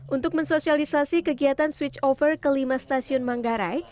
untuk mensosialisasi kegiatan switch over kelima stasiun manggarai